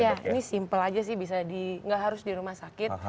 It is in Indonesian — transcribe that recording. iya ini simple aja sih bisa di gak harus di rumah sakit